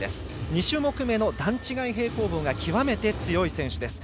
２種目めの段違い平行棒が極めて強い選手です。